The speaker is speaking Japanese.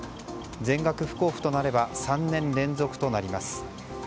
全額不交付となれば３年連続となります。